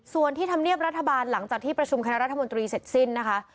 ส่วนที่ธรรมเนียบรัฐบาลหลังจากที่ประชุมคณะรัฐมนตรีเสร็จสิ้นนะคะ